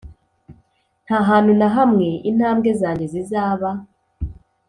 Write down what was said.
nta hantu na hamwe intambwe zanjye zizaba